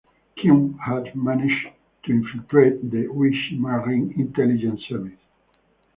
Keun had managed to infiltrate the Vichy Marine Intelligence Service.